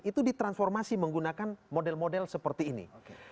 itu ditransformasi menggunakan model model seperti ini